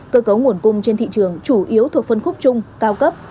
cơ cấu nguồn cung trên thị trường chủ yếu thuộc phân khúc chung cao cấp